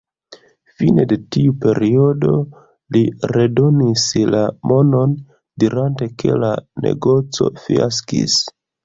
Fine de tiu periodo, li redonis la monon, dirante ke la negoco fiaskis.